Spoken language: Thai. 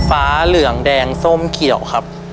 เหลืองแดงส้มเขียวครับ